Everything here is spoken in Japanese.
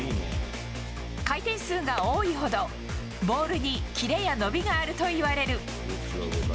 回転数が多いほど、ボールにキレや伸びがあるといわれる。